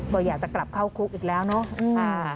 ก็อยากจะกลับเข้าคุกอีกแล้วเนาะ